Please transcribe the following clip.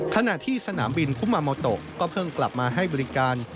ขณะที่สนามบินคุมาโมโตก็เพิ่งกลับมาให้บริการ